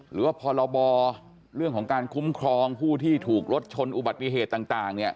หรือว่าพรบเรื่องของการคุ้มครองผู้ที่ถูกรถชนอุบัติเหตุต่าง